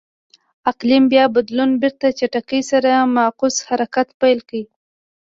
اقلیم بیا بدلون بېرته چټکۍ سره معکوس حرکت پیل کړ.